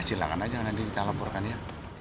silahkan aja nanti kita laporkan ya